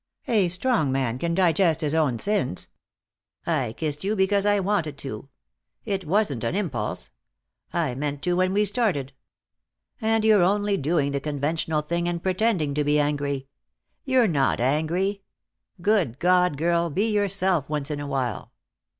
A strong man can digest his own sins. I kissed you because I wanted to. It wasn't an impulse. I meant to when we started. And you're only doing the conventional thing and pretending to be angry. You're not angry. Good God, girl, be yourself once in a while."